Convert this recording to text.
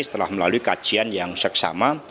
setelah melalui kajian yang seksama